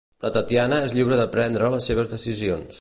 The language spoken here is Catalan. La Tatiana és lliure de prendre les seves decisions.